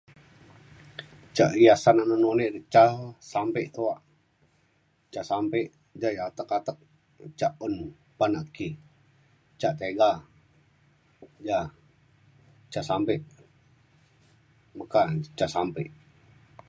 ca hiasan [unintelligible] ca sampe tuak ca sampe ya yak atek atek ca un pan aki ca tiga ja ca sampe meka na ca sampe